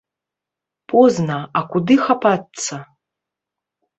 Позна, а куды хапацца?